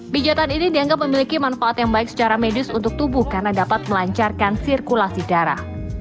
pijatan ini dianggap memiliki manfaat yang baik secara medis untuk tubuh karena dapat melancarkan sirkulasi darah